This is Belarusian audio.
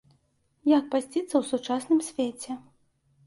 Як пасціцца ў сучасным свеце?